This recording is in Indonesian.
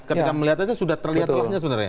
ketika melihat aja sudah terlihat celahnya sebenarnya